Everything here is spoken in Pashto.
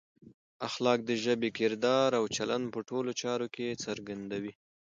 اخلاق د ژبې، کردار او چلند په ټولو چارو کې څرګندوي.